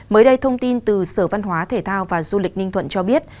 mới đây thông tin từ sở văn hóa thể thao và du lịch ninh thuận cho biết